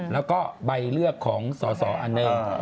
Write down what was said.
แล้วก็ใบเลือกของสอสออันหนึ่ง